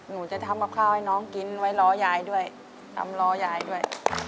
หนูจะทำกับข้าวให้น้องกินไว้รอยายด้วยตำล้อยายด้วย